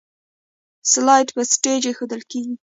سلایډ په سټیج ایښودل کیږي.